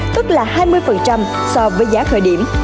tức là hai mươi so với giá khởi điểm